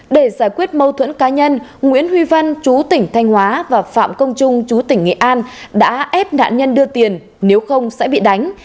để giải quyết mâu thuẫn cá nhân nguyễn huy văn chú tỉnh thanh hóa và phạm công trung chú tỉnh nghệ an đã ép nạn nhân đưa tiền nếu không sẽ bị đánh